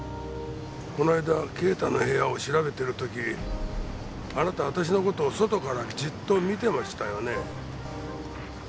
この間啓太の部屋を調べてる時あなた私の事を外からじっと見てましたよね。